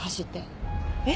えっ？